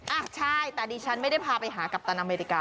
อ่ะใช่แต่ดิฉันไม่ได้พาไปหากัปตันอเมริกา